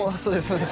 そうです